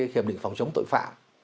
hiệp định phòng chống tội phạm